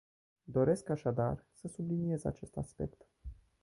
Doresc, așadar, să subliniez acest aspect.